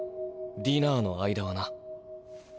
ディナーの間はな。